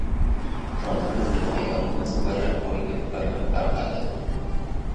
Onamiz bilan ayolimiz biri qo‘yib biri qarg‘adi: